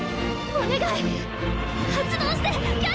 お願い！